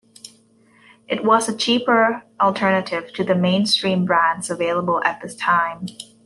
It was a cheaper alternative to the mainstream brands available at the time.